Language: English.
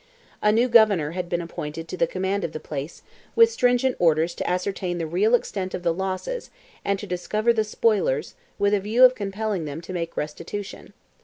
A new Governor had been appointed to the command of the place, with stringent orders to ascertain the real extent of the losses, and to discover the spoilers, with a view of compelling them to make restitution.